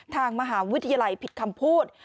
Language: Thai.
ทางมหาวิทยาลัยผิดคำพูด